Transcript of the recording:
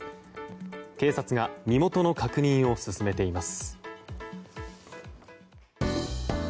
警察が身元の確認を進めています。